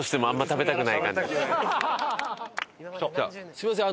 すみません